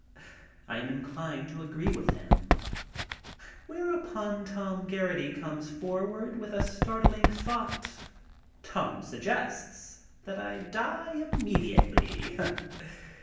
I am inclined to agree with him. Whereupon Tom Geraghty comes forward with a startling thought. Tom suggests that I die immediately.